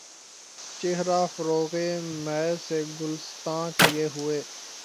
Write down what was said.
چہرہ فروغِ مے سے گُلستاں کئے ہوئے